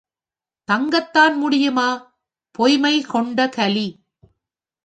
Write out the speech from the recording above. தங்கத்தான் முடியுமா? பொய்மை கொண்ட கலி!